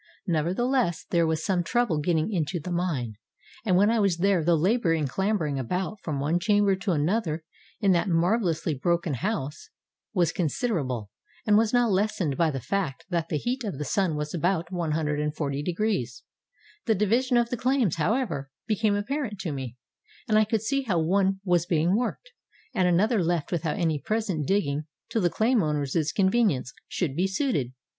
Nevertheless there was some trouble in getting into the mine, and when I was there the labor in clambering about from one chamber to another in that marvelously broken house was con siderable and was not lessened by the fact that the heat of the sun was about 140°. The division of the claims, however, became apparent to me, and I could see how one was being worked, and another left without any present digging till the claim owner's convenience should be suited.